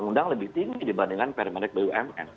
undang lebih tinggi dibandingkan permendik bumn